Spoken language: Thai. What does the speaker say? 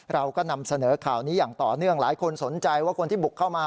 เราก็นำเสนอข่าวนี้อย่างต่อเนื่องหลายคนสนใจว่าคนที่บุกเข้ามา